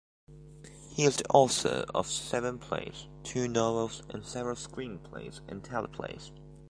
He is the author of seven plays, two novels and several screenplays and teleplays.